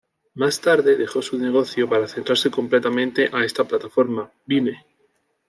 Más tarde dejó su negocio para centrarse completamente a esta plataforma, Vine.